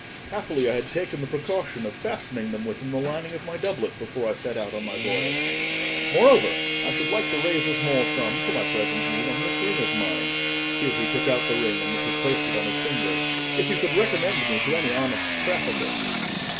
Happily, I had taken the precaution of fastening them within the lining of my doublet before I set out on my voyage. Moreover, I should like to raise a small sum for my present need on this ring of mine," (here he took out the ring and replaced it on his finger), "if you could recommend me to any honest trafficker."